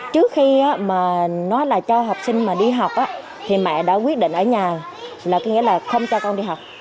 trước khi nói cho học sinh đi học mẹ đã quyết định ở nhà là không cho con đi học